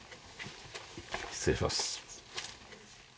失礼します。